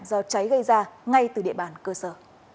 do cháy gây ra ngay từ địa bàn cơ sở